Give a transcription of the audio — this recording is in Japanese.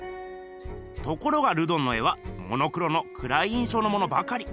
ところがルドンの絵はモノクロのくらい印象のものばかり。